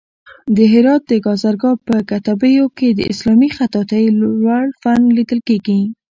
د هرات د گازرګاه په کتيبو کې د اسلامي خطاطۍ لوړ فن لیدل کېږي.